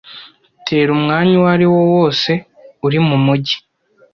Tera umwanya uwariwo wose uri mumujyi.